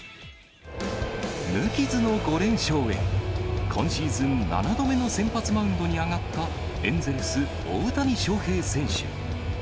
無傷の５連勝へ、今シーズン７度目の先発マウンドに上がった、エンゼルス、大谷翔平選手。